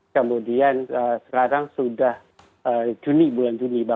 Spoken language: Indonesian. kemudian sekarang sudah juni bulan juni